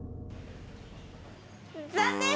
残念！